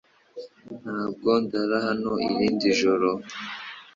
Ntabwo ndara hano irindi joro .